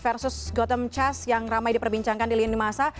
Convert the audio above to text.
versus gotham chess yang ramai diperbincangkan di lini masa